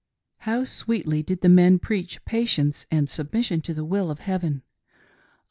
How sweetly did the men preach patience and submission to the will of Heaven. I.